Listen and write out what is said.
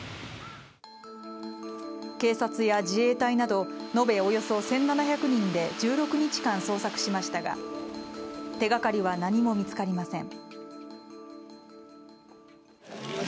警察や自衛隊など延べおよそ１７００人で１６日間捜索しましたが手がかりは何も見つかりません。